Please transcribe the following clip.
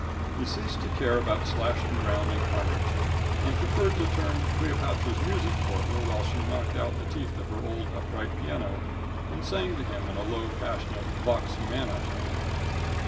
He ceased to care about slashing around in carnage, and preferred to turn Cleopatra's music for her while she knocked out the teeth of her old upright piano and sang to him in a low, passionate, vox humana tone.